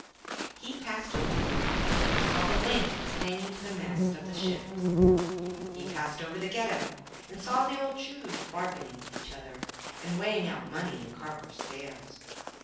He passed over the river, and saw the lanterns hanging to the masts of the ships. He passed over the Ghetto, and saw the old Jews bargaining with each other, and weighing out money in copper scales.